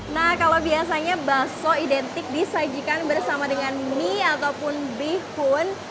nah kalau biasanya bakso identik disajikan bersama dengan mie ataupun bihun